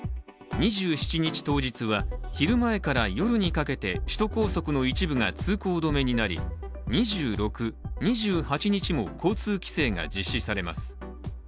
２７日当日は、昼前から夜にかけて首都高速の一部が通行止めになり、２６、２８日も交通規制が実施されます。